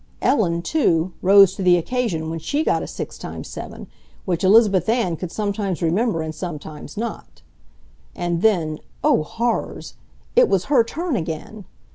Ellen, too, rose to the occasion when she got 6 x 7, which Elizabeth Ann could sometimes remember and sometimes not. And then, oh horrors! It was her turn again!